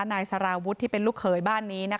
นายพิรายุนั่งอยู่ติดกันแบบนี้นะคะ